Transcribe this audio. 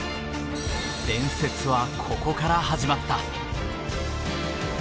伝説はここから始まった。